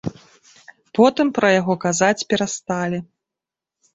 Потым пра яго казаць перасталі.